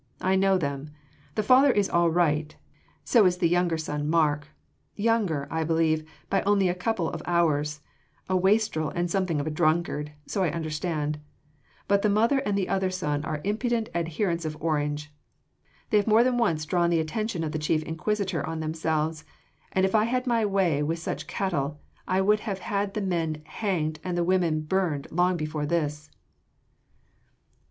"I know them. The father is all right, so is the younger son Mark younger, I believe, by only a couple of hours a wastrel and something of a drunkard, so I understand; but the mother and the other son are impudent adherents of Orange: they have more than once drawn the attention of the Chief Inquisitor on themselves, and if I had my way with such cattle, I would have had the men hanged and the woman burned long before this."